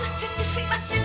すいません